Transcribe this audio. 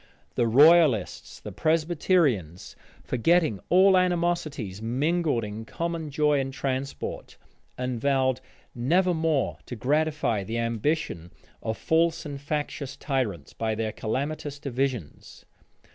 The royalists, the Presbyterians, forgetting all animosities, mingled in common joy and transport, and vowed never more to gratify the ambition of false and factious tyrants by their calamitous divisions.